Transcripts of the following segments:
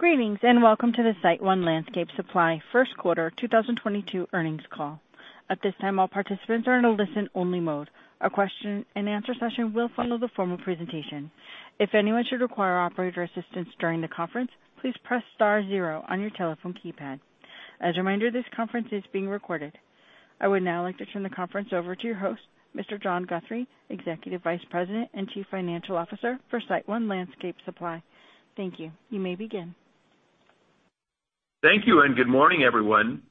Greetings, and welcome to the SiteOne Landscape Supply first quarter 2022 earnings call. At this time, all participants are in a listen-only mode. A question and answer session will follow the formal presentation. If anyone should require operator assistance during the conference, please press star zero on your telephone keypad. As a reminder, this conference is being recorded. I would now like to turn the conference over to your host, Mr. John Guthrie, Executive Vice President and Chief Financial Officer for SiteOne Landscape Supply. Thank you. You may begin. Thank you, and good morning, everyone.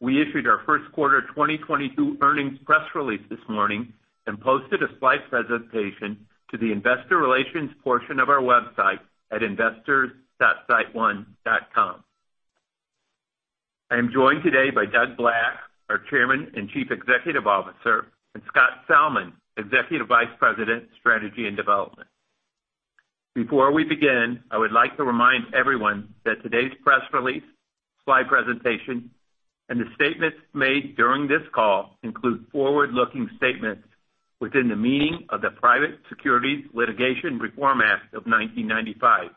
We issued our first quarter 2022 earnings press release this morning and posted a slide presentation to the investor relations portion of our website at investors.siteone.com. I am joined today by Doug Black, our Chairman and Chief Executive Officer, and Scott Salmon, Executive Vice President, Strategy and Development. Before we begin, I would like to remind everyone that today's press release, slide presentation, and the statements made during this call include forward-looking statements within the meaning of the Private Securities Litigation Reform Act of 1995.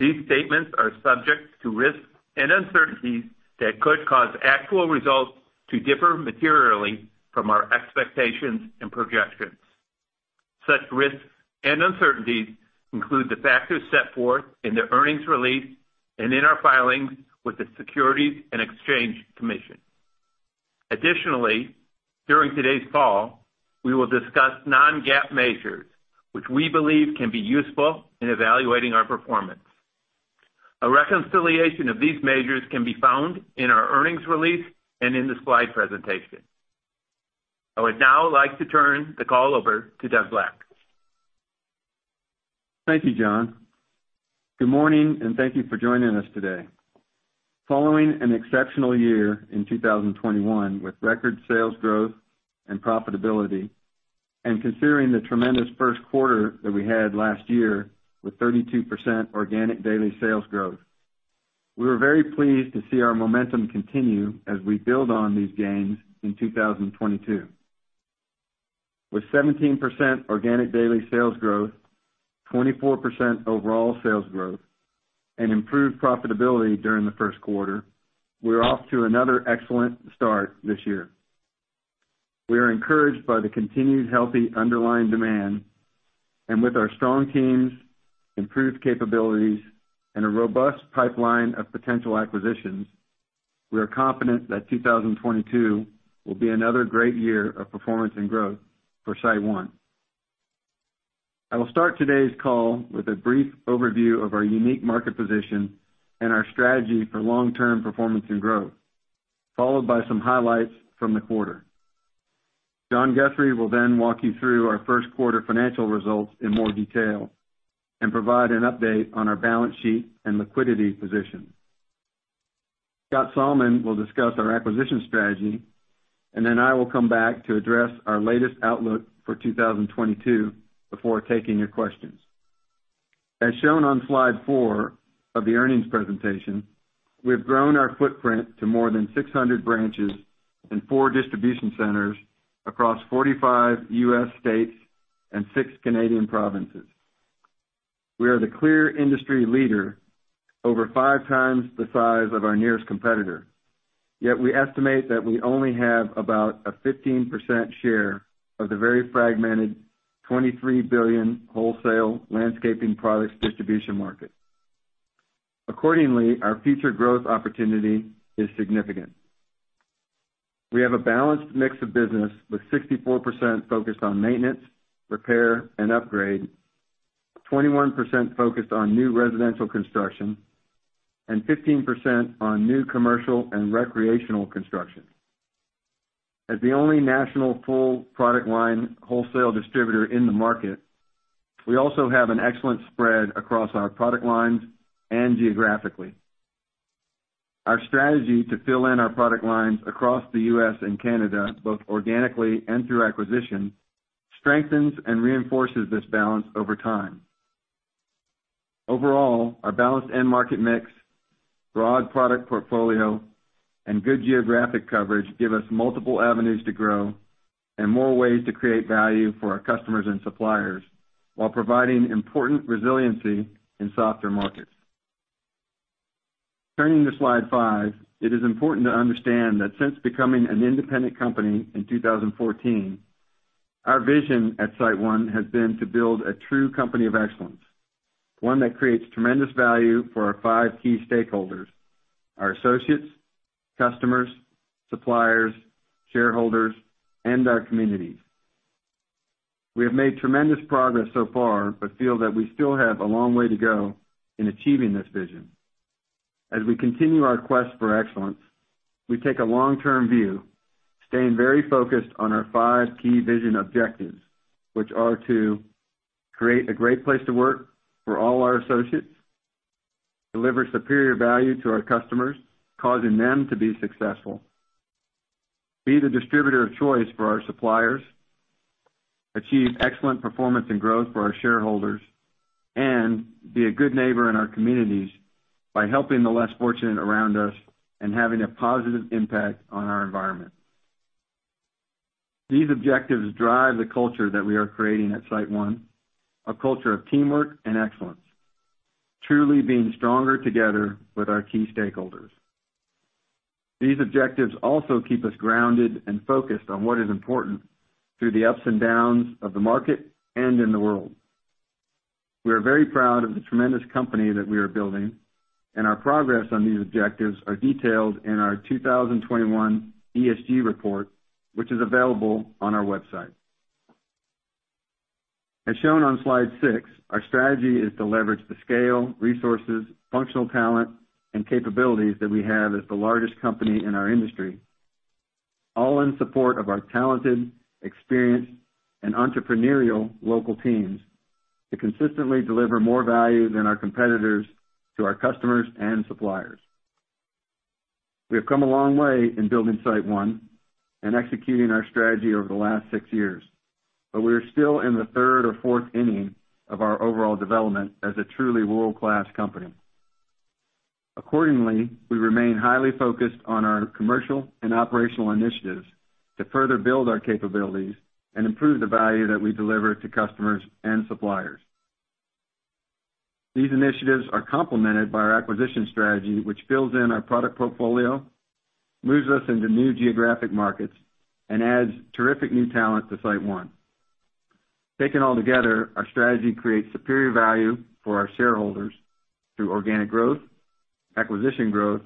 These statements are subject to risks and uncertainties that could cause actual results to differ materially from our expectations and projections. Such risks and uncertainties include the factors set forth in the earnings release and in our filings with the Securities and Exchange Commission. Additionally, during today's call, we will discuss non-GAAP measures which we believe can be useful in evaluating our performance. A reconciliation of these measures can be found in our earnings release and in the slide presentation. I would now like to turn the call over to Doug Black. Thank you, John. Good morning, and thank you for joining us today. Following an exceptional year in 2021 with record sales growth and profitability, and considering the tremendous first quarter that we had last year with 32% organic daily sales growth, we were very pleased to see our momentum continue as we build on these gains in 2022. With 17% organic daily sales growth, 24% overall sales growth, and improved profitability during the first quarter, we're off to another excellent start this year. We are encouraged by the continued healthy underlying demand and with our strong teams, improved capabilities, and a robust pipeline of potential acquisitions, we are confident that 2022 will be another great year of performance and growth for SiteOne. I will start today's call with a brief overview of our unique market position and our strategy for long-term performance and growth, followed by some highlights from the quarter. John Guthrie will then walk you through our first quarter financial results in more detail and provide an update on our balance sheet and liquidity position. Scott Salmon will discuss our acquisition strategy, and then I will come back to address our latest outlook for 2022 before taking your questions. As shown on slide four of the earnings presentation, we have grown our footprint to more than 600 branches and four distribution centers across 45 U.S. states and six Canadian provinces. We are the clear industry leader over five times the size of our nearest competitor, yet we estimate that we only have about a 15% share of the very fragmented $23 billion wholesale landscaping products distribution market. Accordingly, our future growth opportunity is significant. We have a balanced mix of business with 64% focused on maintenance, repair, and upgrade, 21% focused on new residential construction, and 15% on new commercial and recreational construction. As the only national full product line wholesale distributor in the market, we also have an excellent spread across our product lines and geographically. Our strategy to fill in our product lines across the U.S. and Canada, both organically and through acquisition, strengthens and reinforces this balance over time. Overall, our balanced end market mix, broad product portfolio, and good geographic coverage give us multiple avenues to grow and more ways to create value for our customers and suppliers while providing important resiliency in softer markets. Turning to slide five, it is important to understand that since becoming an independent company in 2014, our vision at SiteOne has been to build a true company of excellence, one that creates tremendous value for our five key stakeholders, our associates, customers, suppliers, shareholders, and our communities. We have made tremendous progress so far, but feel that we still have a long way to go in achieving this vision. As we continue our quest for excellence, we take a long-term view, staying very focused on our five key vision objectives, which are to create a great place to work for all our associates, deliver superior value to our customers, causing them to be successful, be the distributor of choice for our suppliers, achieve excellent performance and growth for our shareholders, and be a good neighbor in our communities by helping the less fortunate around us and having a positive impact on our environment. These objectives drive the culture that we are creating at SiteOne, a culture of teamwork and excellence, truly being stronger together with our key stakeholders. These objectives also keep us grounded and focused on what is important through the ups and downs of the market and in the world. We are very proud of the tremendous company that we are building, and our progress on these objectives are detailed in our 2021 ESG report, which is available on our website. As shown on slide six, our strategy is to leverage the scale, resources, functional talent, and capabilities that we have as the largest company in our industry, all in support of our talented, experienced, and entrepreneurial local teams to consistently deliver more value than our competitors to our customers and suppliers. We have come a long way in building SiteOne and executing our strategy over the last six years, but we are still in the third or fourth inning of our overall development as a truly world-class company. Accordingly, we remain highly focused on our commercial and operational initiatives to further build our capabilities and improve the value that we deliver to customers and suppliers. These initiatives are complemented by our acquisition strategy, which fills in our product portfolio, moves us into new geographic markets, and adds terrific new talent to SiteOne. Taken all together, our strategy creates superior value for our shareholders through organic growth, acquisition growth,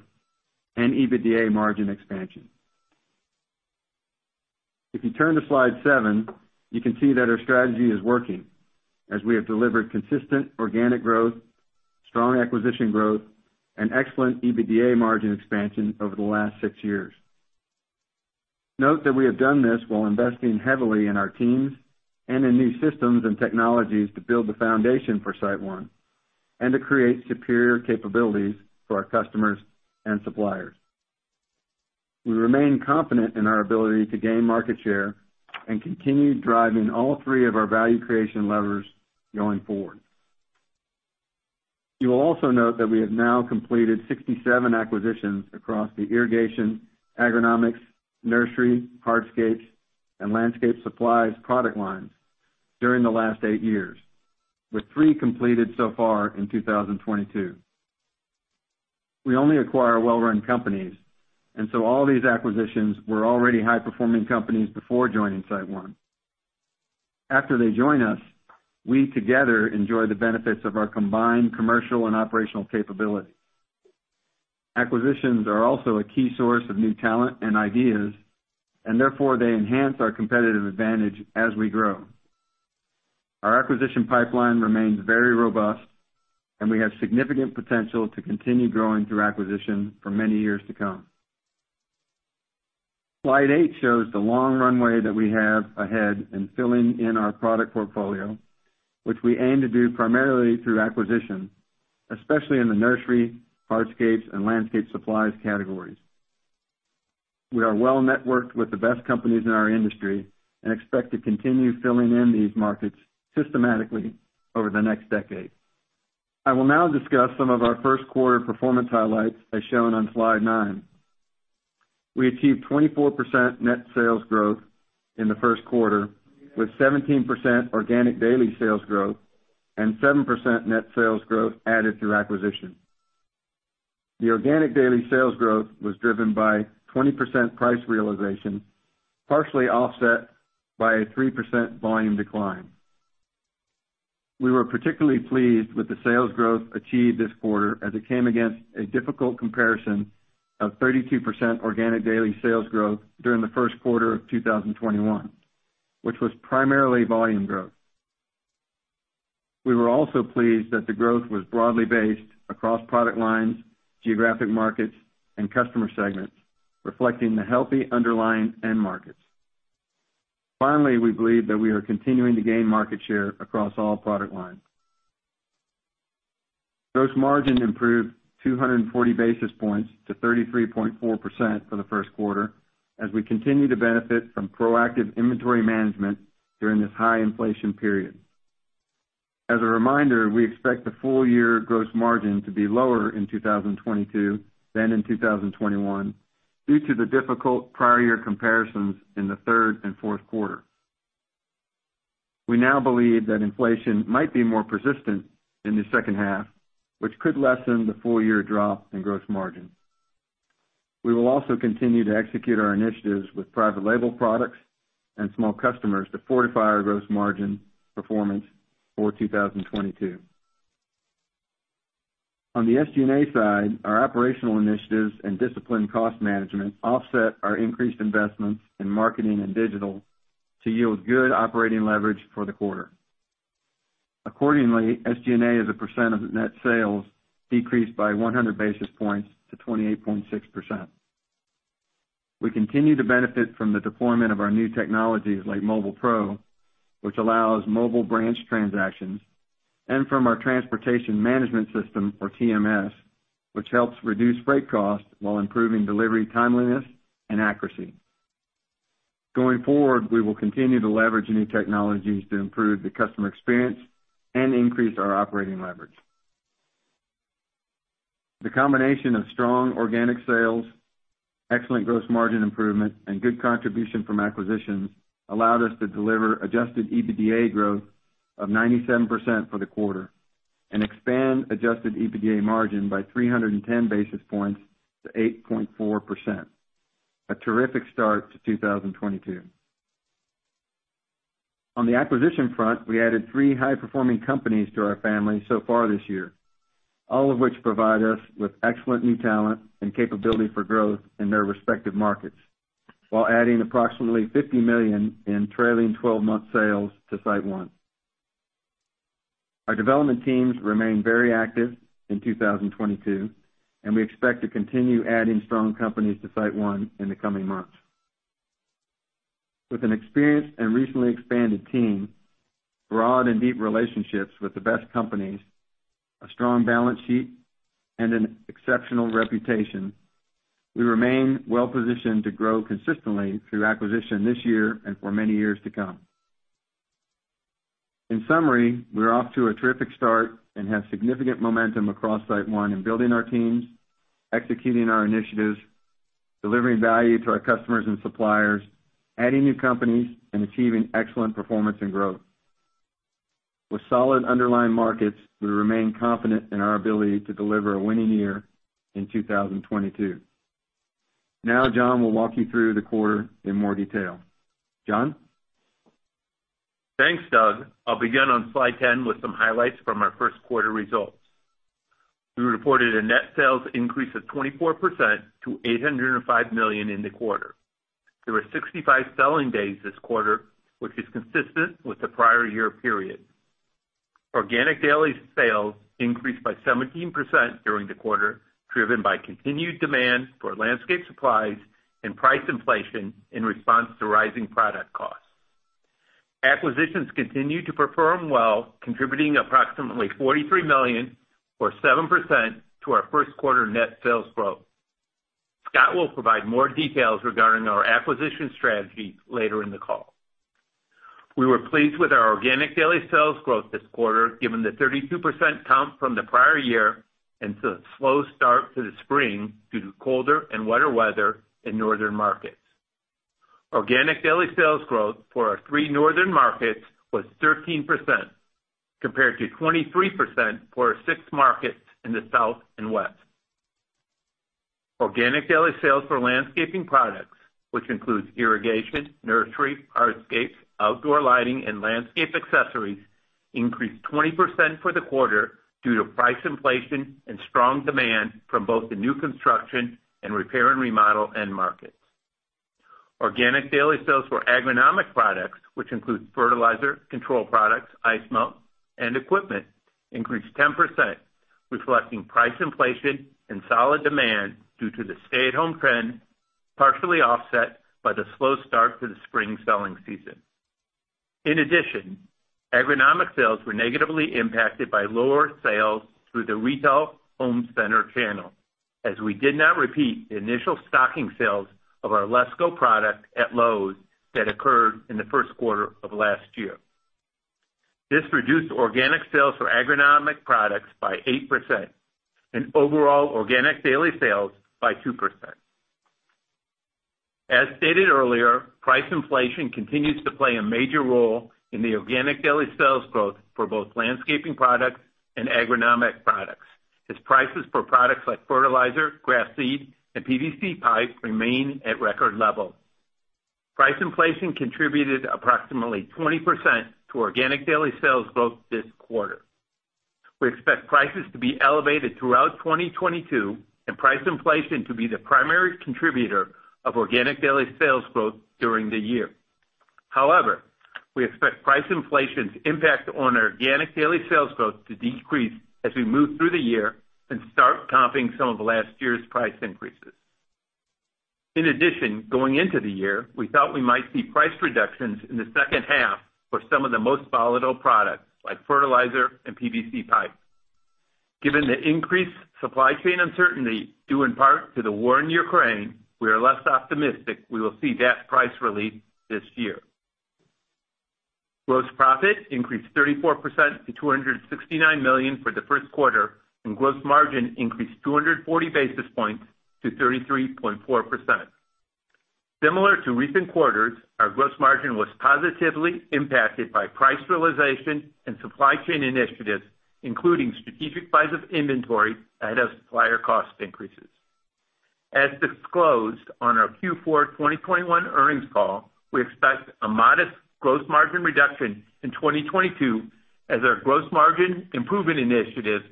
and EBITDA margin expansion. If you turn to slide seven, you can see that our strategy is working, as we have delivered consistent organic growth, strong acquisition growth, and excellent EBITDA margin expansion over the last six years. Note that we have done this while investing heavily in our teams and in new systems and technologies to build the foundation for SiteOne and to create superior capabilities for our customers and suppliers. We remain confident in our ability to gain market share and continue driving all three of our value creation levers going forward. You will also note that we have now completed 67 acquisitions across the irrigation, agronomics, nursery, hardscapes, and landscape supplies product lines during the last eight years, with three completed so far in 2022. We only acquire well-run companies, and so all these acquisitions were already high-performing companies before joining SiteOne. After they join us, we together enjoy the benefits of our combined commercial and operational capabilities. Acquisitions are also a key source of new talent and ideas, and therefore they enhance our competitive advantage as we grow. Our acquisition pipeline remains very robust, and we have significant potential to continue growing through acquisition for many years to come. Slide eight shows the long runway that we have ahead in filling in our product portfolio, which we aim to do primarily through acquisition, especially in the nursery, hardscapes, and landscape supplies categories. We are well-networked with the best companies in our industry and expect to continue filling in these markets systematically over the next decade. I will now discuss some of our first quarter performance highlights, as shown on slide nine. We achieved 24% net sales growth in the first quarter, with 17% organic daily sales growth and 7% net sales growth added through acquisition. The organic daily sales growth was driven by 20% price realization, partially offset by a 3% volume decline. We were particularly pleased with the sales growth achieved this quarter as it came against a difficult comparison of 32% organic daily sales growth during the first quarter of 2021, which was primarily volume growth. We were also pleased that the growth was broadly based across product lines, geographic markets, and customer segments, reflecting the healthy underlying end markets. Finally, we believe that we are continuing to gain market share across all product lines. Gross margin improved 240 basis points to 33.4% for the first quarter as we continue to benefit from proactive inventory management during this high inflation period. As a reminder, we expect the full year gross margin to be lower in 2022 than in 2021 due to the difficult prior year comparisons in the third and fourth quarter. We now believe that inflation might be more persistent in the second half, which could lessen the full year drop in gross margin. We will also continue to execute our initiatives with private label products and small customers to fortify our gross margin performance for 2022. On the SG&A side, our operational initiatives and disciplined cost management offset our increased investments in marketing and digital to yield good operating leverage for the quarter. Accordingly, SG&A as a percent of net sales decreased by 100 basis points to 28.6%. We continue to benefit from the deployment of our new technologies like Mobile PRO, which allows mobile branch transactions, and from our transportation management system, or TMS, which helps reduce freight costs while improving delivery timeliness and accuracy. Going forward, we will continue to leverage new technologies to improve the customer experience and increase our operating leverage. The combination of strong organic sales, excellent gross margin improvement, and good contribution from acquisitions allowed us to deliver adjusted EBITDA growth of 97% for the quarter and expand adjusted EBITDA margin by 310 basis points to 8.4%. A terrific start to 2022. On the acquisition front, we added three high-performing companies to our family so far this year, all of which provide us with excellent new talent and capability for growth in their respective markets, while adding approximately $50 million in trailing twelve-month sales to SiteOne. Our development teams remain very active in 2022, and we expect to continue adding strong companies to SiteOne in the coming months. With an experienced and recently expanded team, broad and deep relationships with the best companies, a strong balance sheet, and an exceptional reputation, we remain well-positioned to grow consistently through acquisition this year and for many years to come. In summary, we're off to a terrific start and have significant momentum across SiteOne in building our teams, executing our initiatives, delivering value to our customers and suppliers, adding new companies, and achieving excellent performance and growth. With solid underlying markets, we remain confident in our ability to deliver a winning year in 2022. Now, John will walk you through the quarter in more detail. John? Thanks, Doug. I'll begin on slide 10 with some highlights from our first quarter results. We reported a net sales increase of 24% to $805 million in the quarter. There were 65 selling days this quarter, which is consistent with the prior year period. Organic daily sales increased by 17% during the quarter, driven by continued demand for landscape supplies and price inflation in response to rising product costs. Acquisitions continued to perform well, contributing approximately $43 million, or 7%, to our first quarter net sales growth. Scott will provide more details regarding our acquisition strategy later in the call. We were pleased with our organic daily sales growth this quarter, given the 32% comp from the prior year and the slow start to the spring due to colder and wetter weather in northern markets. Organic daily sales growth for our three northern markets was 13%, compared to 23% for our six markets in the south and west. Organic daily sales for landscaping products, which includes irrigation, nursery, hardscapes, outdoor lighting, and landscape accessories, increased 20% for the quarter due to price inflation and strong demand from both the new construction and repair and remodel end markets. Organic daily sales for agronomic products, which includes fertilizer, control products, ice melt, and equipment, increased 10%, reflecting price inflation and solid demand due to the stay-at-home trend, partially offset by the slow start to the spring selling season. In addition, agronomic sales were negatively impacted by lower sales through the retail home center channel, as we did not repeat the initial stocking sales of our LESCO product at Lowe's that occurred in the first quarter of last year. This reduced organic sales for agronomic products by 8% and overall organic daily sales by 2%. As stated earlier, price inflation continues to play a major role in the organic daily sales growth for both landscaping products and agronomic products, as prices for products like fertilizer, grass seed, and PVC pipe remain at record levels. Price inflation contributed approximately 20% to organic daily sales growth this quarter. We expect prices to be elevated throughout 2022 and price inflation to be the primary contributor of organic daily sales growth during the year. However, we expect price inflation's impact on our organic daily sales growth to decrease as we move through the year and start comping some of last year's price increases. In addition, going into the year, we thought we might see price reductions in the second half for some of the most volatile products, like fertilizer and PVC pipe. Given the increased supply chain uncertainty, due in part to the war in Ukraine, we are less optimistic we will see that price relief this year. Gross profit increased 34% to $269 million for the first quarter, and gross margin increased 240 basis points to 33.4%. Similar to recent quarters, our gross margin was positively impacted by price realization and supply chain initiatives, including strategic buys of inventory ahead of supplier cost increases. As disclosed on our Q4 2021 earnings call, we expect a modest gross margin reduction in 2022 as our gross margin improvement initiatives,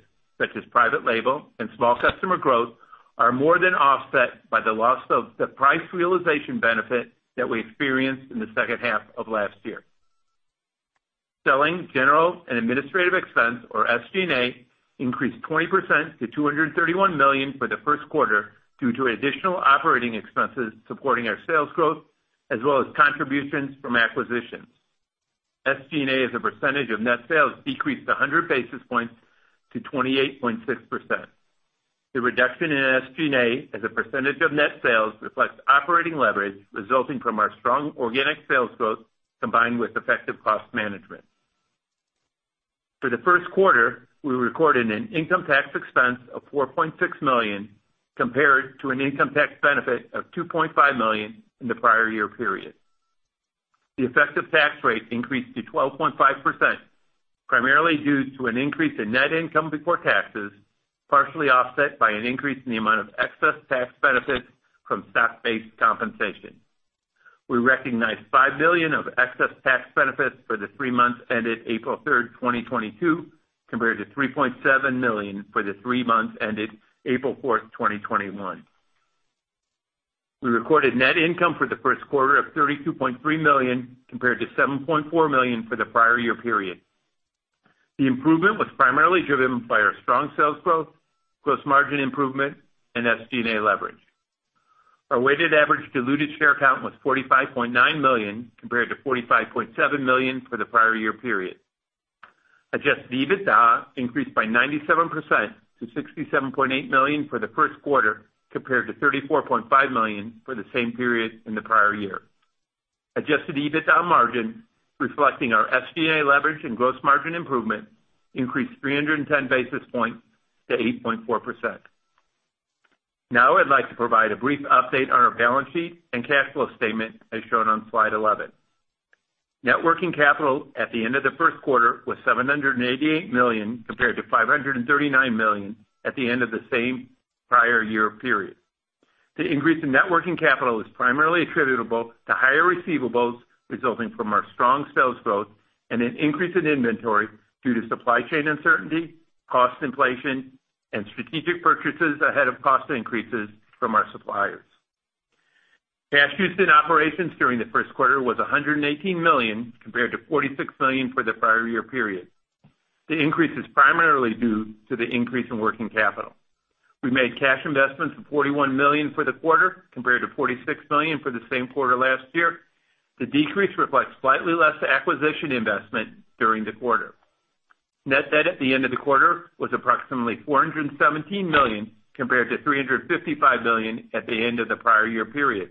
such as private label and small customer growth, are more than offset by the loss of the price realization benefit that we experienced in the second half of last year. Selling, general, and administrative expense, or SG&A, increased 20% to $231 million for the first quarter due to additional operating expenses supporting our sales growth as well as contributions from acquisitions. SG&A as a percentage of net sales decreased 100 basis points to 28.6%. The reduction in SG&A as a percentage of net sales reflects operating leverage resulting from our strong organic sales growth combined with effective cost management. For the first quarter, we recorded an income tax expense of $4.6 million compared to an income tax benefit of $2.5 million in the prior year period. The effective tax rate increased to 12.5%, primarily due to an increase in net income before taxes, partially offset by an increase in the amount of excess tax benefits from stock-based compensation. We recognized $5 million of excess tax benefits for the three months ended April 3, 2022, compared to $3.7 million for the three months ended April 4, 2021. We recorded net income for the first quarter of $32.3 million compared to $7.4 million for the prior year period. The improvement was primarily driven by our strong sales growth, gross margin improvement, and SG&A leverage. Our weighted average diluted share count was 45.9 million compared to 45.7 million for the prior year period. Adjusted EBITDA increased by 97% to $67.8 million for the first quarter, compared to $34.5 million for the same period in the prior year. Adjusted EBITDA margin, reflecting our SG&A leverage and gross margin improvement, increased 310 basis points to 8.4%. Now I'd like to provide a brief update on our balance sheet and cash flow statement, as shown on slide 11. Net working capital at the end of the first quarter was $788 million compared to $539 million at the end of the same prior year period. The increase in net working capital is primarily attributable to higher receivables resulting from our strong sales growth and an increase in inventory due to supply chain uncertainty, cost inflation, and strategic purchases ahead of cost increases from our suppliers. Cash used in operations during the first quarter was $118 million compared to $46 million for the prior year period. The increase is primarily due to the increase in working capital. We made cash investments of $41 million for the quarter compared to $46 million for the same quarter last year. The decrease reflects slightly less acquisition investment during the quarter. Net debt at the end of the quarter was approximately $417 million compared to $355 million at the end of the prior year period.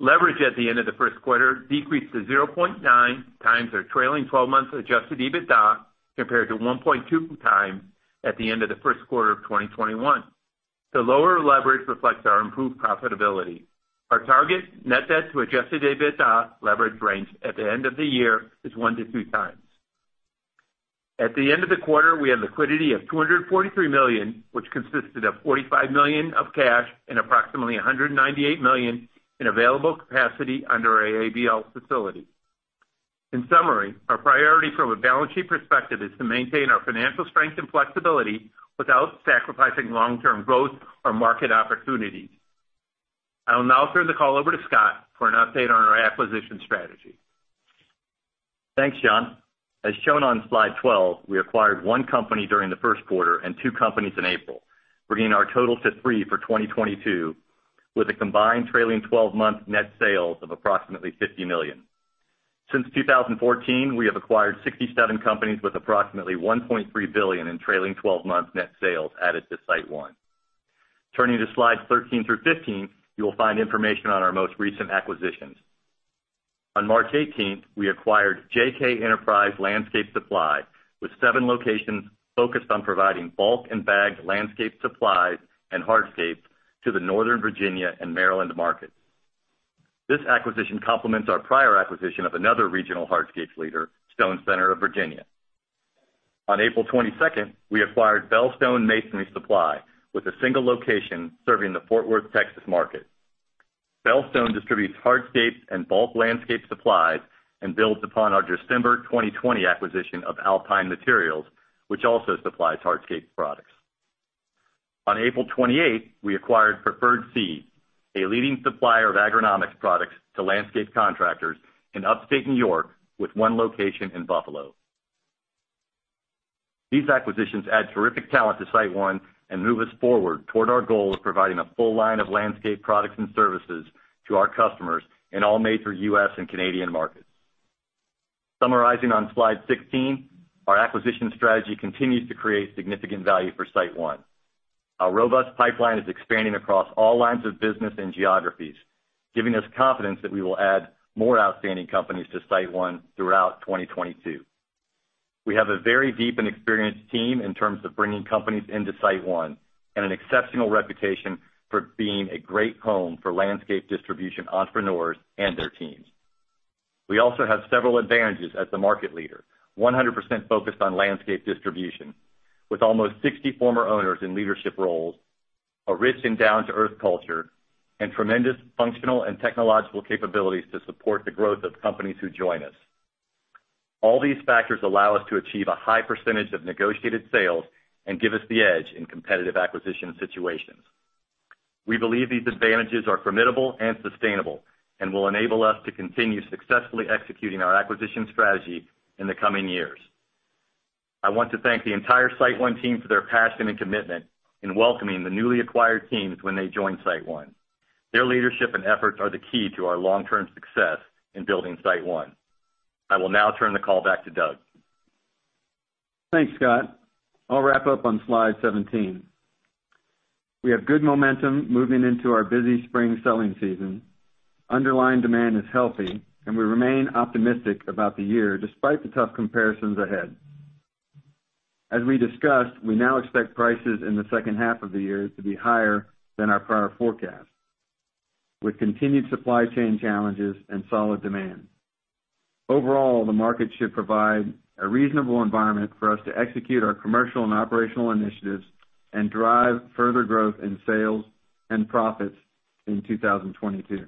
Leverage at the end of the first quarter decreased to 0.9 times our trailing twelve-month adjusted EBITDA compared to 1.2 times at the end of the first quarter of 2021. The lower leverage reflects our improved profitability. Our target net debt to adjusted EBITDA leverage range at the end of the year is 1-2 times. At the end of the quarter, we had liquidity of $243 million, which consisted of $45 million of cash and approximately $198 million in available capacity under our ABL facility. In summary, our priority from a balance sheet perspective is to maintain our financial strength and flexibility without sacrificing long-term growth or market opportunities. I will now turn the call over to Scott for an update on our acquisition strategy. Thanks, John. As shown on slide 12, we acquired one company during the first quarter and two companies in April, bringing our total to three for 2022, with a combined trailing twelve-month net sales of approximately $50 million. Since 2014, we have acquired 67 companies with approximately $1.3 billion in trailing twelve-month net sales added to SiteOne. Turning to slides 13 through 15, you will find information on our most recent acquisitions. On March 18, we acquired JK Enterprise Landscape Supply, LLC, with seven locations focused on providing bulk and bagged landscape supplies and hardscapes to the Northern Virginia and Maryland markets. This acquisition complements our prior acquisition of another regional hardscapes leader, Stone Center of Virginia. On April 22, we acquired BellStone Masonry Supply, with a single location serving the Fort Worth, Texas market. BellStone distributes hardscapes and bulk landscape supplies and builds upon our December 2020 acquisition of Alpine Materials, which also supplies hardscape products. On April 28th, we acquired Preferred Seed, a leading supplier of agronomics products to landscape contractors in Upstate New York, with one location in Buffalo. These acquisitions add terrific talent to SiteOne and move us forward toward our goal of providing a full line of landscape products and services to our customers in all major U.S. and Canadian markets. Summarizing on slide 16, our acquisition strategy continues to create significant value for SiteOne. Our robust pipeline is expanding across all lines of business and geographies, giving us confidence that we will add more outstanding companies to SiteOne throughout 2022. We have a very deep and experienced team in terms of bringing companies into SiteOne and an exceptional reputation for being a great home for landscape distribution entrepreneurs and their teams. We also have several advantages as the market leader, 100% focused on landscape distribution, with almost 60 former owners in leadership roles, a rich and down-to-earth culture, and tremendous functional and technological capabilities to support the growth of companies who join us. All these factors allow us to achieve a high percentage of negotiated sales and give us the edge in competitive acquisition situations. We believe these advantages are formidable and sustainable and will enable us to continue successfully executing our acquisition strategy in the coming years. I want to thank the entire SiteOne team for their passion and commitment in welcoming the newly acquired teams when they join SiteOne. Their leadership and efforts are the key to our long-term success in building SiteOne. I will now turn the call back to Doug. Thanks, Scott. I'll wrap up on slide 17. We have good momentum moving into our busy spring selling season. Underlying demand is healthy and we remain optimistic about the year despite the tough comparisons ahead. As we discussed, we now expect prices in the second half of the year to be higher than our prior forecast, with continued supply chain challenges and solid demand. Overall, the market should provide a reasonable environment for us to execute our commercial and operational initiatives and drive further growth in sales and profits in 2022.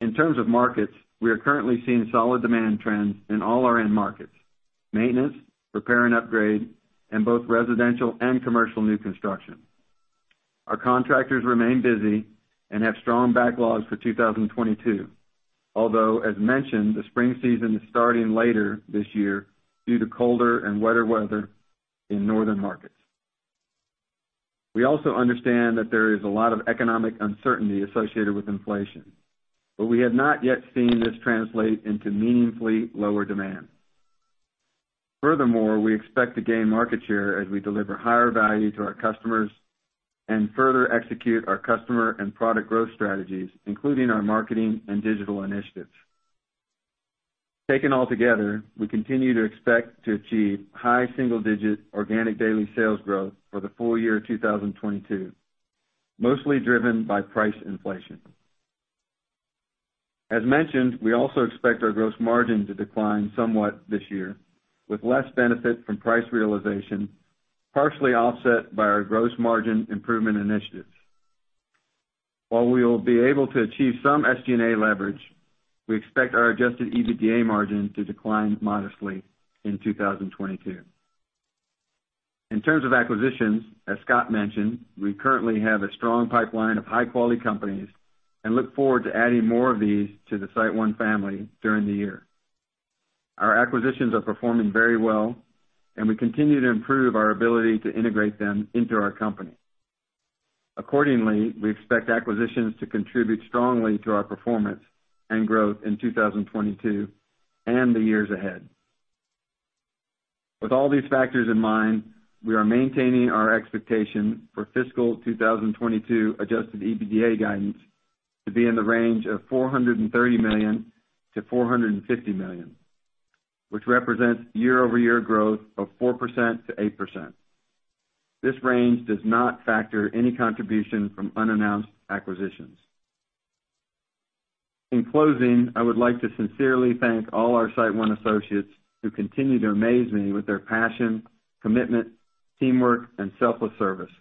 In terms of markets, we are currently seeing solid demand trends in all our end markets, maintenance, repair and upgrade, in both residential and commercial new construction. Our contractors remain busy and have strong backlogs for 2022, although, as mentioned, the spring season is starting later this year due to colder and wetter weather in northern markets. We also understand that there is a lot of economic uncertainty associated with inflation, but we have not yet seen this translate into meaningfully lower demand. Furthermore, we expect to gain market share as we deliver higher value to our customers and further execute our customer and product growth strategies, including our marketing and digital initiatives. Taken altogether, we continue to expect to achieve high single digit organic daily sales growth for the full year 2022, mostly driven by price inflation. As mentioned, we also expect our gross margin to decline somewhat this year with less benefit from price realization, partially offset by our gross margin improvement initiatives. While we will be able to achieve some SG&A leverage, we expect our adjusted EBITDA margin to decline modestly in 2022. In terms of acquisitions, as Scott mentioned, we currently have a strong pipeline of high quality companies and look forward to adding more of these to the SiteOne family during the year. Our acquisitions are performing very well, and we continue to improve our ability to integrate them into our company. Accordingly, we expect acquisitions to contribute strongly to our performance and growth in 2022 and the years ahead. With all these factors in mind, we are maintaining our expectation for fiscal 2022 adjusted EBITDA guidance to be in the range of $430 million-$450 million, which represents year-over-year growth of 4%-8%. This range does not factor any contribution from unannounced acquisitions. In closing, I would like to sincerely thank all our SiteOne associates who continue to amaze me with their passion, commitment, teamwork, and selfless service.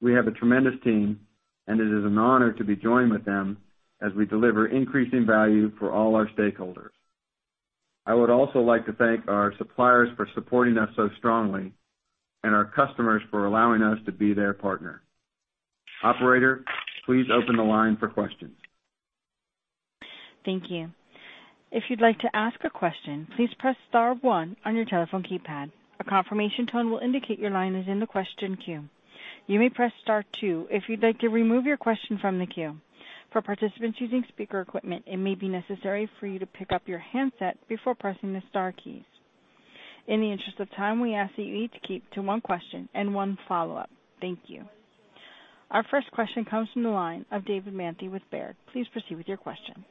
We have a tremendous team, and it is an honor to be joined with them as we deliver increasing value for all our stakeholders. I would also like to thank our suppliers for supporting us so strongly and our customers for allowing us to be their partner. Operator, please open the line for questions. Thank you. If you'd like to ask a question, please press star one on your telephone keypad. A confirmation tone will indicate your line is in the question queue. You may press star two if you'd like to remove your question from the queue. For participants using speaker equipment, it may be necessary for you to pick up your handset before pressing the star keys. In the interest of time, we ask that you each keep to one question and one follow-up. Thank you. Our first question comes from the line of David Manthey with Baird. Please proceed with your question.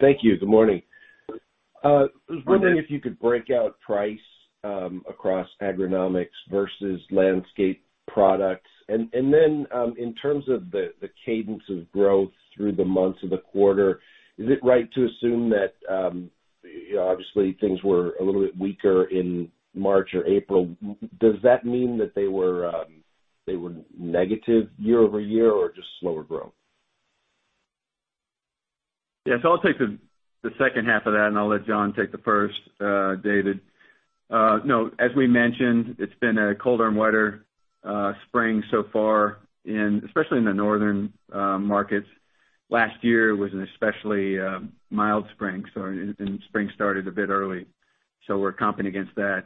Thank you. Good morning. I was wondering if you could break out price across agronomics versus landscape products. Then, in terms of the cadence of growth through the months of the quarter, is it right to assume that, you know, obviously things were a little bit weaker in March or April? Does that mean that they were negative year-over-year or just slower growth? Yes, I'll take the second half of that, and I'll let John take the first, David. No, as we mentioned, it's been a colder and wetter spring so far, especially in the northern markets. Last year was an especially mild spring, so spring started a bit early, so we're comping against that.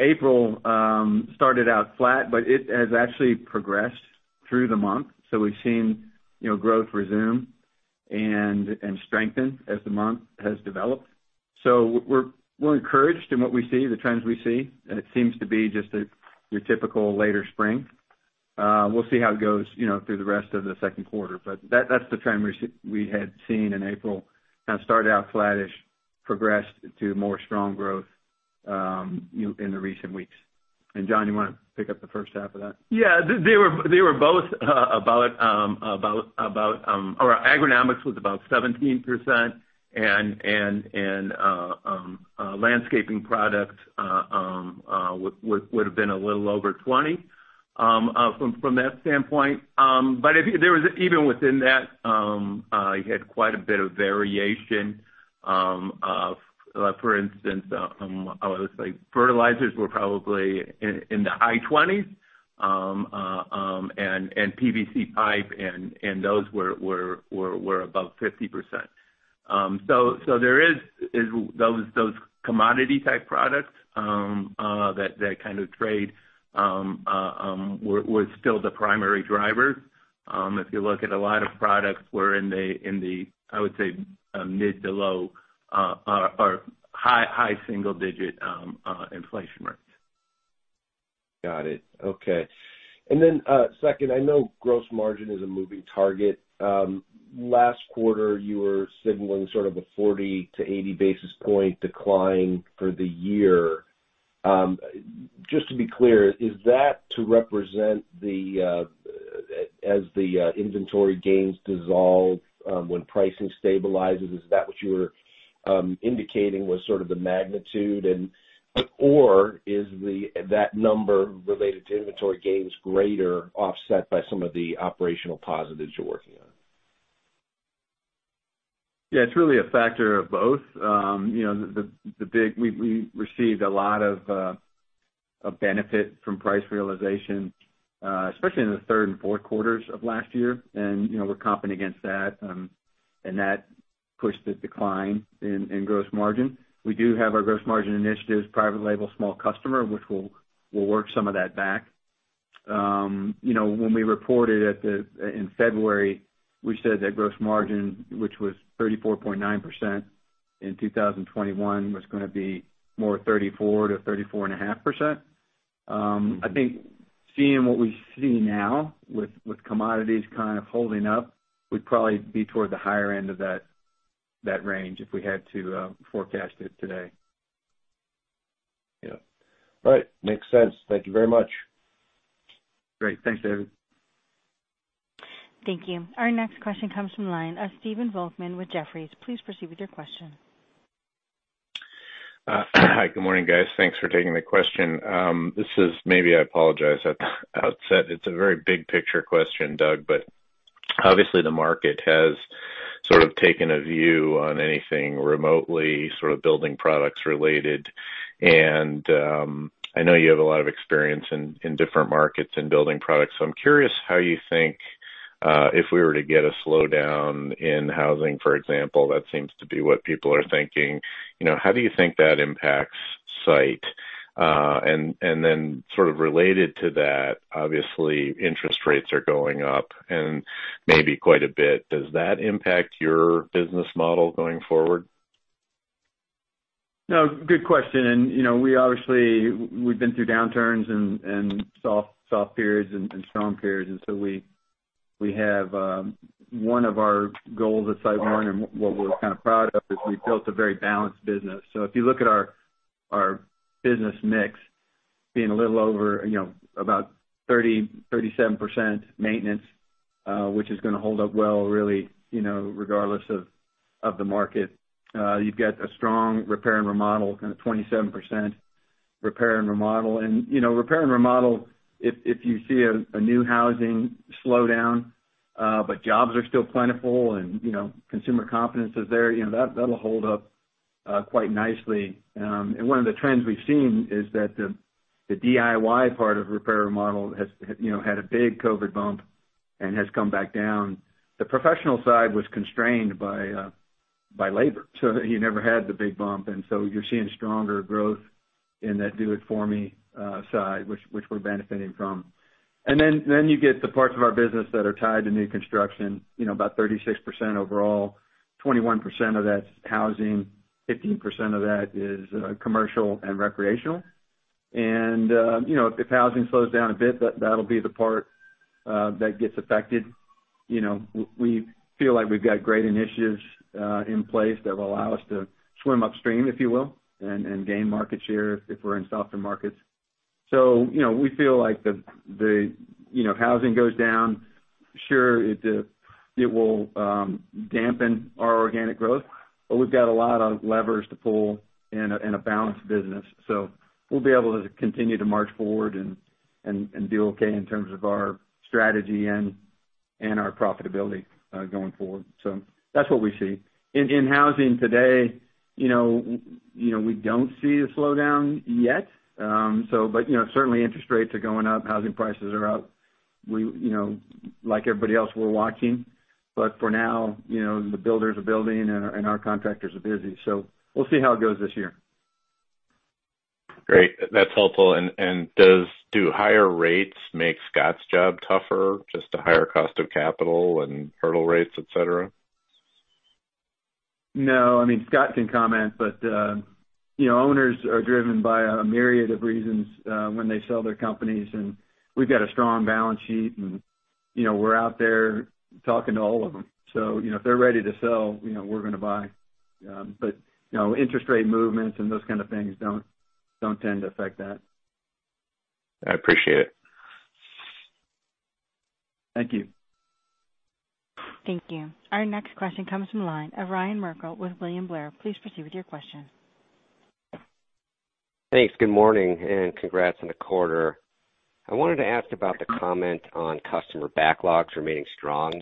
April started out flat, but it has actually progressed through the month. We've seen growth resume and strengthen as the month has developed. We're encouraged in what we see, the trends we see, and it seems to be just your typical later spring. We'll see how it goes through the rest of the second quarter. That's the trend we had seen in April, kind of started out flattish, progressed to more strong growth, you know, in the recent weeks. John, you wanna pick up the first half of that? Yeah. They were both about or agronomics was about 17%, and landscaping products would have been a little over 20% from that standpoint. I think there was even within that you had quite a bit of variation, for instance, fertilizers were probably in the high 20s%. PVC pipe and those were above 50%. There are those commodity type products that kind of trade. We're still the primary driver. If you look at a lot of products, we're in the I would say high single-digit inflation rates. Got it. Okay. Second, I know gross margin is a moving target. Last quarter, you were signaling sort of a 40-80 basis point decline for the year. Just to be clear, is that to represent, as the inventory gains dissolve, when pricing stabilizes, is that what you were indicating was sort of the magnitude? Or is that number related to inventory gains greater offset by some of the operational positives you're working on? Yeah, it's really a factor of both. You know, we received a lot of benefit from price realization, especially in the third and fourth quarters of last year. You know, we're comping against that, and that pushed the decline in gross margin. We do have our gross margin initiatives, private label, small customer, which will work some of that back. You know, when we reported in February, we said that gross margin, which was 34.9% in 2021, was gonna be more 34%-34.5%. I think seeing what we see now with commodities kind of holding up, we'd probably be toward the higher end of that range if we had to forecast it today. Yeah. All right. Makes sense. Thank you very much. Great. Thanks, David. Thank you. Our next question comes from the line of Stephen Volkmann with Jefferies. Please proceed with your question. Hi, good morning, guys. Thanks for taking the question. This is maybe, I apologize at the outset, it's a very big picture question, Doug, but obviously the market has sort of taken a view on anything remotely sort of building products related. I know you have a lot of experience in different markets and building products, so I'm curious how you think, if we were to get a slowdown in housing, for example, that seems to be what people are thinking, you know, how do you think that impacts site? Then sort of related to that, obviously interest rates are going up and maybe quite a bit. Does that impact your business model going forward? No, good question. You know, we obviously, we've been through downturns and soft periods and strong periods. We have one of our goals at SiteOne and what we're kind of proud of is we've built a very balanced business. If you look at our business mix being a little over, you know, about 37% maintenance, which is gonna hold up well, really, you know, regardless of the market, you've got a strong repair and remodel, kind of 27% repair and remodel. You know, repair and remodel, if you see a new housing slowdown, but jobs are still plentiful and, you know, consumer confidence is there, you know, that'll hold up quite nicely. One of the trends we've seen is that the DIY part of repair and remodel has, you know, had a big COVID bump and has come back down. The professional side was constrained by labor, so you never had the big bump. You're seeing stronger growth in that do it for me side, which we're benefiting from. Then you get the parts of our business that are tied to new construction, you know, about 36% overall. 21% of that's housing. 15% of that is commercial and recreational. If housing slows down a bit, that'll be the part that gets affected. You know, we feel like we've got great initiatives in place that will allow us to swim upstream, if you will, and gain market share if we're in softer markets. You know, we feel like housing goes down, sure, it will dampen our organic growth, but we've got a lot of levers to pull and a balanced business. We'll be able to continue to march forward and do okay in terms of our strategy and our profitability going forward. That's what we see. In housing today, you know, we don't see a slowdown yet. You know, certainly interest rates are going up. Housing prices are up. You know, like everybody else, we're watching. for now, you know, the builders are building and our contractors are busy. We'll see how it goes this year. Great. That's helpful. Do higher rates make Scott's job tougher, just the higher cost of capital and hurdle rates, et cetera? No. I mean, Scott can comment, but you know, owners are driven by a myriad of reasons when they sell their companies, and we've got a strong balance sheet and, you know, we're out there talking to all of them. You know, if they're ready to sell, you know, we're gonna buy. But you know, interest rate movements and those kind of things don't tend to affect that. I appreciate it. Thank you. Thank you. Our next question comes from the line of Ryan Merkel with William Blair. Please proceed with your question. Thanks. Good morning and congrats on the quarter. I wanted to ask about the comment on customer backlogs remaining strong.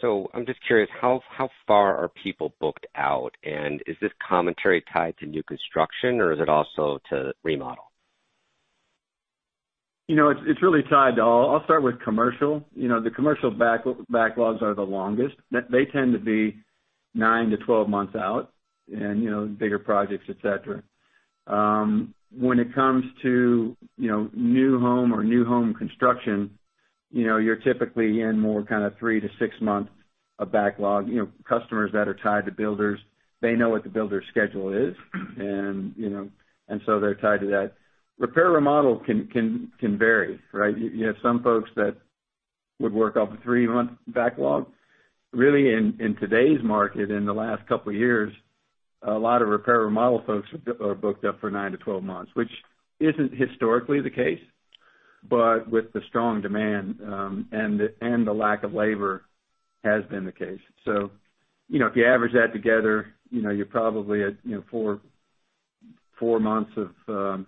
So I'm just curious, how far are people booked out? Is this commentary tied to new construction or is it also to remodel? You know, it's really tied to all. I'll start with commercial. You know, the commercial backlogs are the longest. They tend to be 9-12 months out and, you know, bigger projects, et cetera. When it comes to, you know, new home or new home construction, you know, you're typically in more kind of 3-6 months of backlog. You know, customers that are tied to builders, they know what the builder's schedule is and, you know, and so they're tied to that. Repair remodel can vary, right? You have some folks that would work off a three-month backlog. Really, in today's market, in the last couple years, a lot of repair remodel folks are booked up for 9-12 months, which isn't historically the case, but with the strong demand and the lack of labor has been the case. You know, if you average that together, you know, you're probably at, you know, four months of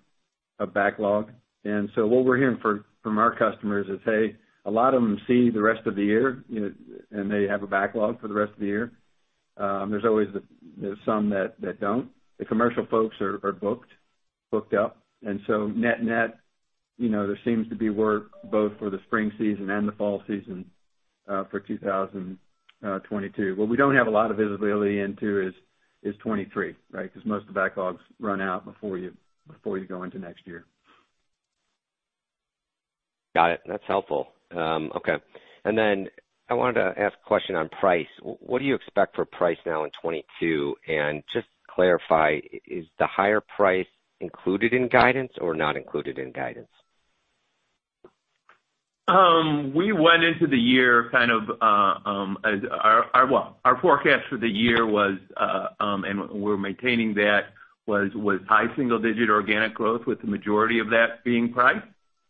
backlog. What we're hearing from our customers is, hey, a lot of them see the rest of the year, you know, and they have a backlog for the rest of the year. There's always some that don't. The commercial folks are booked up, and so net-net, you know, there seems to be work both for the spring season and the fall season for 2022. What we don't have a lot of visibility into is 2023, right? Because most of the backlogs run out before you go into next year. Got it. That's helpful. Okay. I wanted to ask a question on price. What do you expect for price now in 2022? Just to clarify, is the higher price included in guidance or not included in guidance? We went into the year kind of. Our forecast for the year was, and we're maintaining that, high single digit organic growth with the majority of that being price.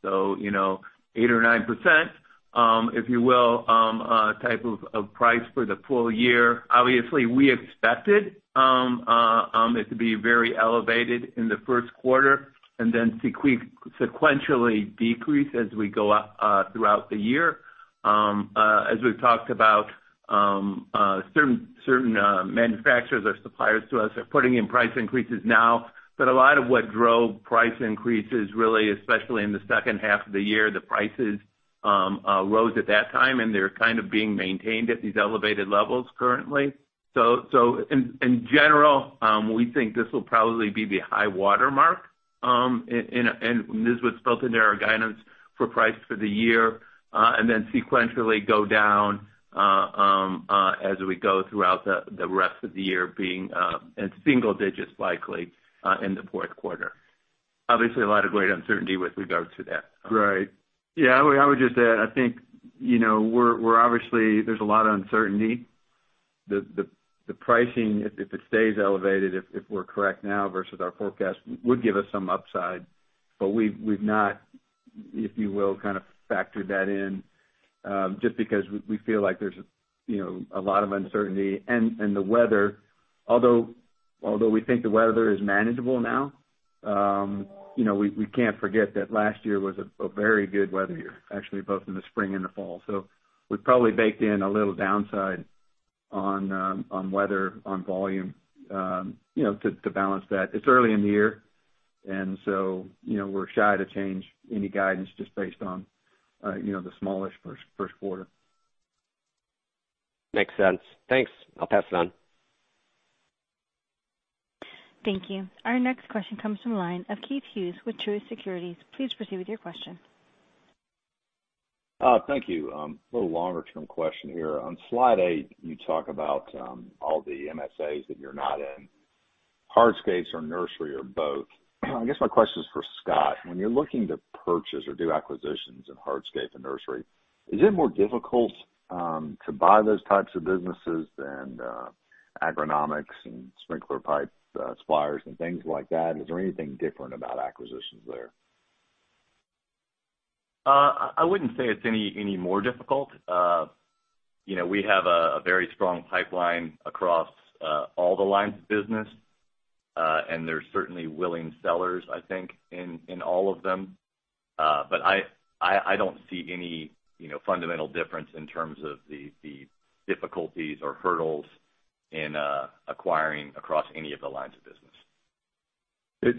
You know, 8% or 9%, if you will, a type of price for the full year. Obviously, we expected it to be very elevated in the first quarter and then sequentially decrease as we go up throughout the year. As we've talked about, certain manufacturers or suppliers to us are putting in price increases now. A lot of what drove price increases really, especially in the second half of the year, the prices rose at that time and they're kind of being maintained at these elevated levels currently. In general, we think this will probably be the high watermark, and this was built into our guidance for price for the year, and then sequentially go down, as we go throughout the rest of the year being in single digits likely, in the fourth quarter. Obviously, a lot of great uncertainty with regard to that. Right. Yeah, I would just add, I think, you know, we're obviously, there's a lot of uncertainty. The pricing, if it stays elevated, if we're correct now versus our forecast would give us some upside. But we've not, if you will, kind of factored that in, just because we feel like there's, you know, a lot of uncertainty. The weather, although we think the weather is manageable now, you know, we can't forget that last year was a very good weather year, actually, both in the spring and the fall. We probably baked in a little downside on weather, on volume, you know, to balance that. It's early in the year and so, you know, we're shy to change any guidance just based on, you know, the smallish first quarter. Makes sense. Thanks. I'll pass it on. Thank you. Our next question comes from the line of Keith Hughes with Truist Securities. Please proceed with your question. Thank you. A little longer term question here. On slide eight, you talk about all the MSAs that you're not in, hardscapes or nursery or both. I guess my question is for Scott. When you're looking to purchase or do acquisitions in hardscape and nursery, is it more difficult to buy those types of businesses than agronomics and sprinkler pipe suppliers and things like that? Is there anything different about acquisitions there? I wouldn't say it's any more difficult. You know, we have a very strong pipeline across all the lines of business, and there's certainly willing sellers, I think, in all of them. But I don't see any, you know, fundamental difference in terms of the difficulties or hurdles in acquiring across any of the lines of business.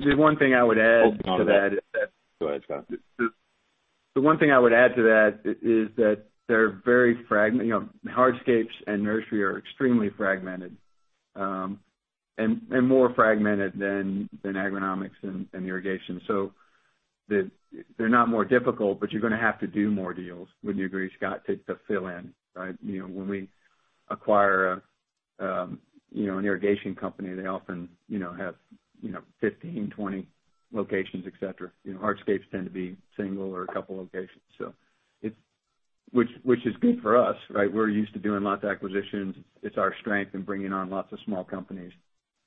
The one thing I would add to that is that. Go ahead, Scott. The one thing I would add to that is that they're very fragmented, you know, hardscapes and nursery are extremely fragmented, and more fragmented than agronomics and irrigation. They're not more difficult, but you're gonna have to do more deals, wouldn't you agree, Scott, to fill in, right? You know, when we acquire, you know, an irrigation company, they often, you know, have, you know, 15, 20 locations, et cetera. You know, hardscapes tend to be single or a couple locations. It's, which is good for us, right? We're used to doing lots of acquisitions. It's our strength in bringing on lots of small companies.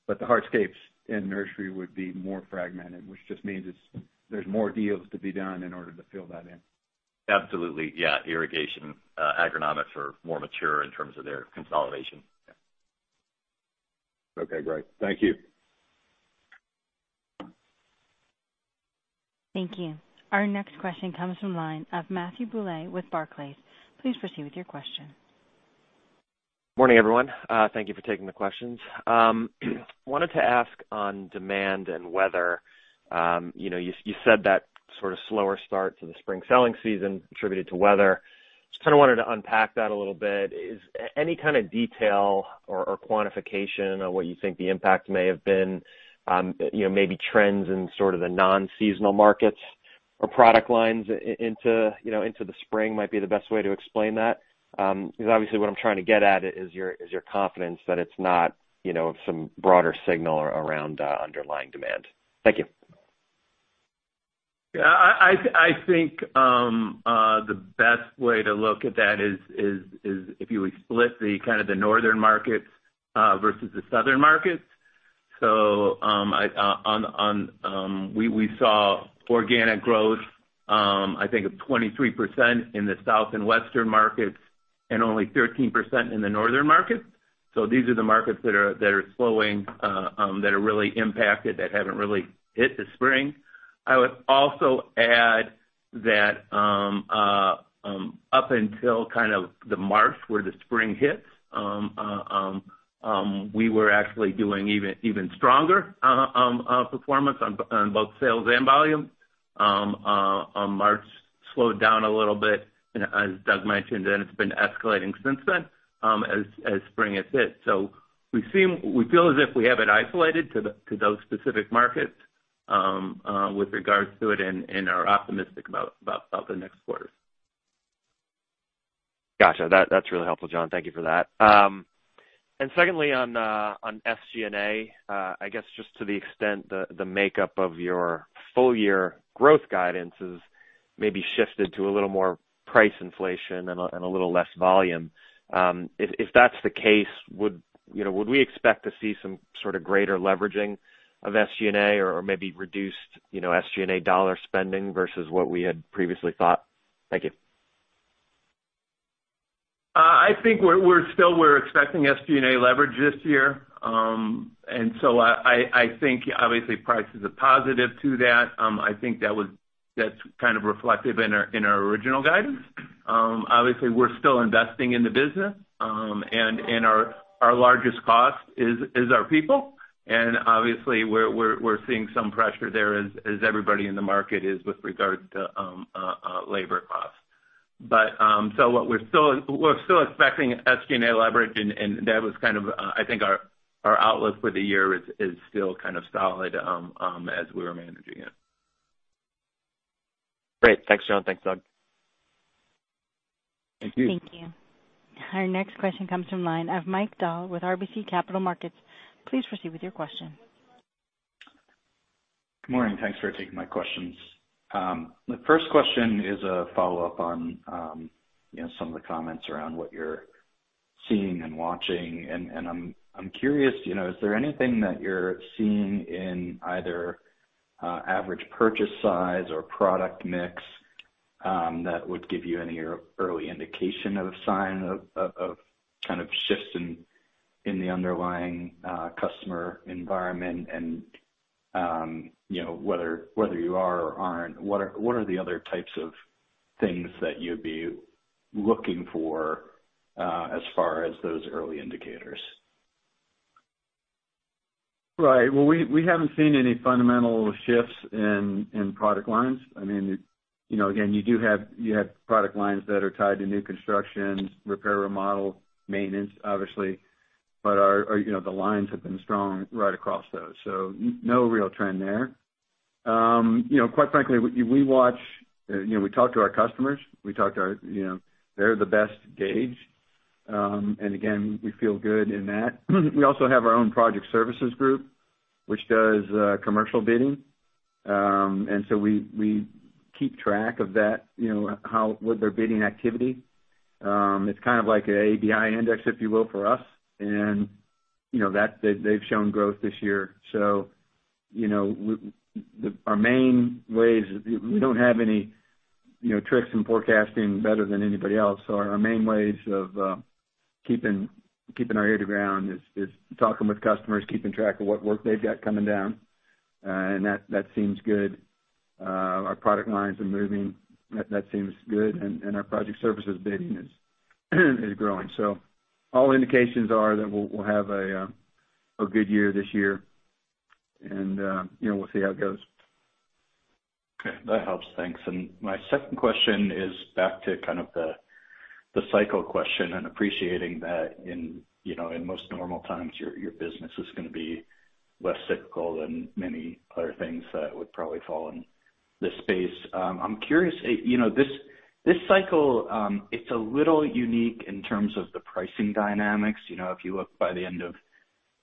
But the hardscapes and nursery would be more fragmented, which just means it's, there's more deals to be done in order to fill that in. Absolutely. Yeah. Irrigation, agronomics are more mature in terms of their consolidation. Yeah. Okay, great. Thank you. Thank you. Our next question comes from the line of Matthew Boulay with Barclays. Please proceed with your question. Morning, everyone. Thank you for taking the questions. Wanted to ask on demand and weather. You know, you said that sort of slower start to the spring selling season attributed to weather. Just kinda wanted to unpack that a little bit. Is any kind of detail or quantification on what you think the impact may have been, you know, maybe trends in sort of the non-seasonal markets or product lines into the spring might be the best way to explain that? 'Cause obviously, what I'm trying to get at is your confidence that it's not, you know, some broader signal around underlying demand. Thank you. Yeah. I think the best way to look at that is if you would split the kind of the northern markets versus the southern markets. We saw organic growth I think of 23% in the south and western markets and only 13% in the northern markets. These are the markets that are slowing that are really impacted that haven't really hit the spring. I would also add that up until kind of the March where the spring hits we were actually doing even stronger a performance on both sales and volume. March slowed down a little bit, and as Doug mentioned, and it's been escalating since then as spring has hit. We feel as if we have it isolated to those specific markets with regards to it and are optimistic about the next quarters. Gotcha. That's really helpful, John. Thank you for that. Secondly, on SG&A, I guess just to the extent the makeup of your full year growth guidance is maybe shifted to a little more price inflation and a little less volume. If that's the case, would, you know, would we expect to see some sort of greater leveraging of SG&A or maybe reduced, you know, SG&A dollar spending versus what we had previously thought? Thank you. I think we're expecting SG&A leverage this year. I think obviously price is a positive to that. I think that's kind of reflective in our original guidance. Obviously we're still investing in the business, and our largest cost is our people. Obviously we're seeing some pressure there as everybody in the market is with regards to labor costs. We're still expecting SG&A leverage, and that was kind of. I think our outlook for the year is still kind of solid, as we were managing it. Great. Thanks, John. Thanks, Doug. Thank you. Thank you. Our next question comes from the line of Mike Dahl with RBC Capital Markets. Please proceed with your question. Good morning. Thanks for taking my questions. My first question is a follow-up on, you know, some of the comments around what you're seeing and watching. I'm curious, you know, is there anything that you're seeing in either average purchase size or product mix that would give you any early indication of a sign of kind of shifts in the underlying customer environment and, you know, whether you are or aren't? What are the other types of things that you'd be looking for as far as those early indicators? Right. Well, we haven't seen any fundamental shifts in product lines. I mean, you know, again, you have product lines that are tied to new construction, repair, remodel, maintenance, obviously. But our lines have been strong right across those. No real trend there. You know, quite frankly, we watch, you know, we talk to our customers. They're the best gauge. Again, we feel good in that. We also have our own project services group, which does commercial bidding. We keep track of that, you know, how with their bidding activity. It's kind of like ABI index, if you will, for us. You know, that they've shown growth this year. You know, our main ways, we don't have any, you know, tricks in forecasting better than anybody else. Our main ways of keeping our ear to the ground is talking with customers, keeping track of what work they've got coming down, and that seems good. Our product lines are moving. That seems good. Our project services bidding is growing. All indications are that we'll have a good year this year, and, you know, we'll see how it goes. Okay, that helps. Thanks. My second question is back to kind of the cycle question and appreciating that in, you know, in most normal times, your business is gonna be less cyclical than many other things that would probably fall in this space. I'm curious, you know, this cycle, it's a little unique in terms of the pricing dynamics. You know, if you look by the end of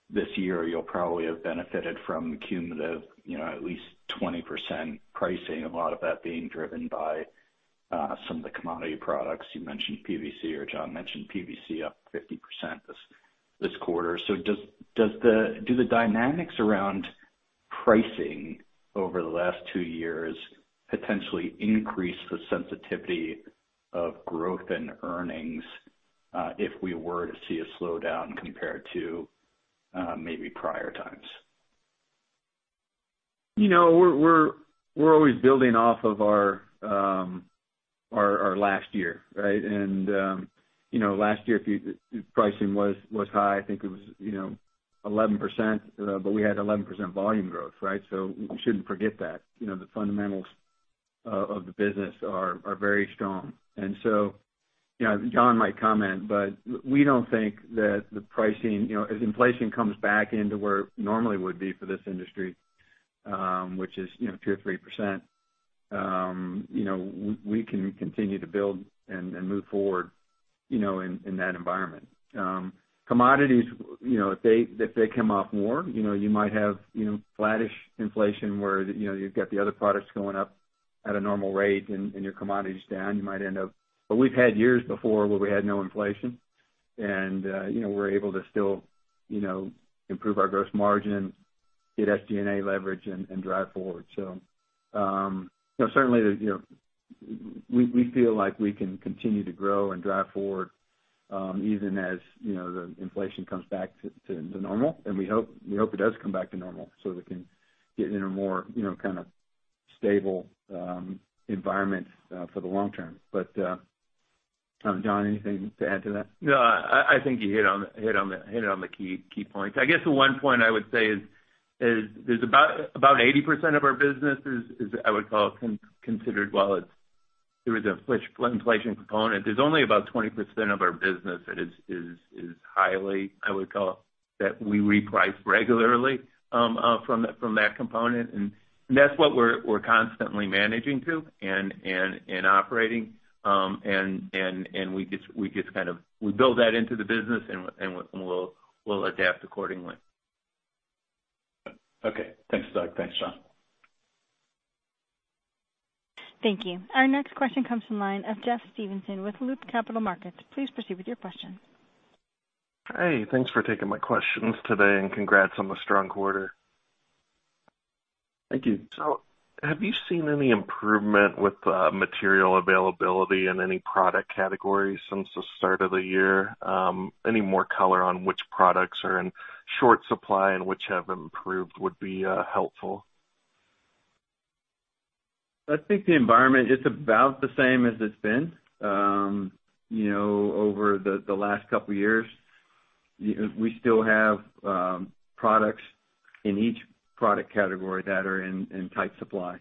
this year, you'll probably have benefited from cumulative, you know, at least 20% pricing, a lot of that being driven by some of the commodity products. You mentioned PVC or John mentioned PVC up 50% this quarter. Does the dynamics around pricing over the last two years potentially increase the sensitivity of growth and earnings, if we were to see a slowdown compared to maybe prior times? You know, we're always building off of our Last year, right? Last year, pricing was high. I think it was, you know, 11%, but we had 11% volume growth, right? We shouldn't forget that. You know, the fundamentals of the business are very strong. John might comment, but we don't think that the pricing. You know, as inflation comes back into where it normally would be for this industry, which is, you know, 2% or 3%, you know, we can continue to build and move forward, you know, in that environment. Commodities, you know, if they come off more, you know, you might have, you know, flattish inflation where, you know, you've got the other products going up at a normal rate and your commodities down, you might end up. We've had years before where we had no inflation and, you know, we're able to still, you know, improve our gross margin, get SG&A leverage and drive forward. You know, certainly, you know, we feel like we can continue to grow and drive forward, even as, you know, the inflation comes back to normal, and we hope it does come back to normal so we can get in a more, you know, kind of stable environment for the long term. John, anything to add to that? No, I think you hit on the key points. I guess the one point I would say is there's about 80% of our business is I would call considered, well, it's through the inflation component. There's only about 20% of our business that is highly, I would call, that we reprice regularly from that component. That's what we're constantly managing to and operating. We just kind of build that into the business and we'll adapt accordingly. Okay. Thanks, Doug. Thanks, John. Thank you. Our next question comes from the line of Jeffrey Stevenson with Loop Capital Markets. Please proceed with your question. Hey, thanks for taking my questions today, and congrats on the strong quarter. Thank you. Have you seen any improvement with material availability in any product categories since the start of the year? Any more color on which products are in short supply and which have improved would be helpful. I think the environment is about the same as it's been, you know, over the last couple years. We still have products in each product category that are in tight supply,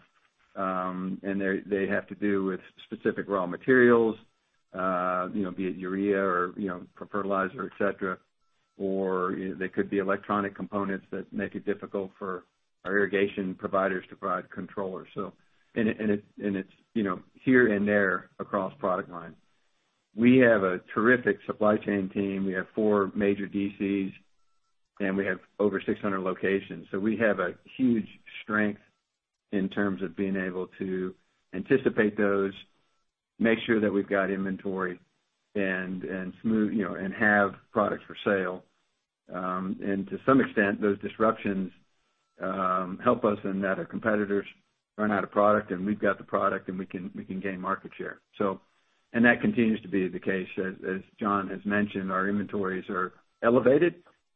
and they have to do with specific raw materials, you know, be it urea or, you know, for fertilizer, et cetera. They could be electronic components that make it difficult for our irrigation providers to provide controllers. It's, you know, here and there across product lines. We have a terrific supply chain team. We have four major DCs, and we have over 600 locations. We have a huge strength in terms of being able to anticipate those, make sure that we've got inventory and smooth, you know, and have products for sale. To some extent, those disruptions help us in that our competitors run out of product, and we've got the product, and we can gain market share. That continues to be the case. As John has mentioned, our inventories are elevated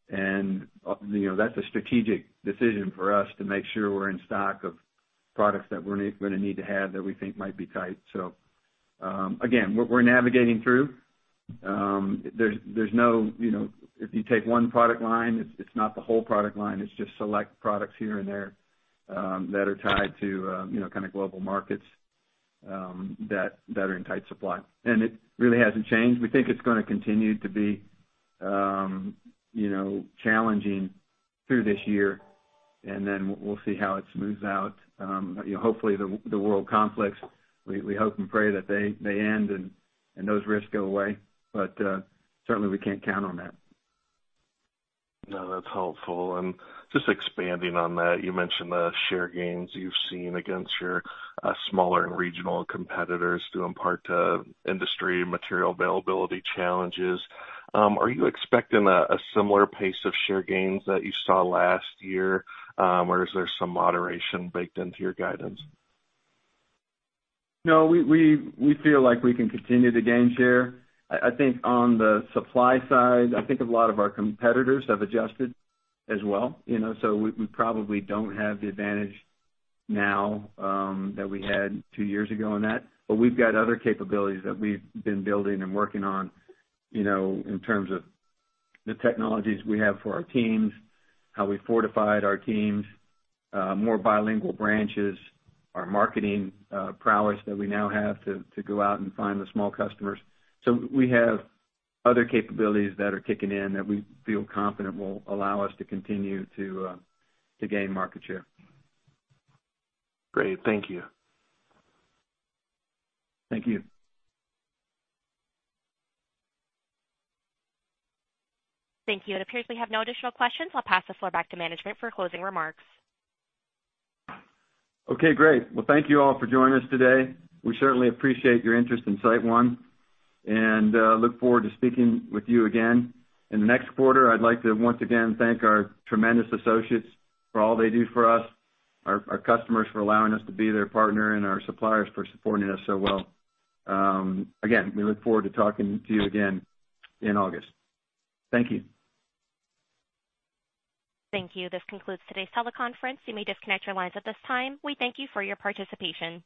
and, you know, that's a strategic decision for us to make sure we're in stock of products that we're gonna need to have that we think might be tight. Again, we're navigating through. There's no, you know, if you take one product line, it's not the whole product line, it's just select products here and there that are tied to, you know, kind of global markets that are in tight supply. It really hasn't changed. We think it's gonna continue to be, you know, challenging through this year, and then we'll see how it smooths out. You know, hopefully, the world conflicts, we hope and pray that they end and those risks go away. Certainly, we can't count on that. No, that's helpful. Just expanding on that, you mentioned the share gains you've seen against your smaller and regional competitors due in part to industry material availability challenges. Are you expecting a similar pace of share gains that you saw last year, or is there some moderation baked into your guidance? No, we feel like we can continue to gain share. I think on the supply side, I think a lot of our competitors have adjusted as well, you know, so we probably don't have the advantage now that we had two years ago on that. But we've got other capabilities that we've been building and working on, you know, in terms of the technologies we have for our teams, how we fortified our teams, more bilingual branches, our marketing prowess that we now have to go out and find the small customers. So we have other capabilities that are kicking in that we feel confident will allow us to continue to gain market share. Great. Thank you. Thank you. Thank you. It appears we have no additional questions. I'll pass the floor back to management for closing remarks. Okay, great. Well, thank you all for joining us today. We certainly appreciate your interest in SiteOne and look forward to speaking with you again in the next quarter. I'd like to once again thank our tremendous associates for all they do for us, our customers for allowing us to be their partner, and our suppliers for supporting us so well. Again, we look forward to talking to you again in August. Thank you. Thank you. This concludes today's teleconference. You may disconnect your lines at this time. We thank you for your participation.